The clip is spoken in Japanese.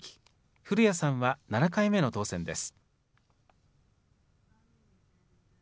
古屋さんは７回目の当選です。